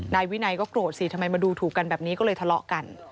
นายวินัยก็โกรธสิทำไมมาดูถูกกันแบบนี้ก็เลยทะเลาะกัน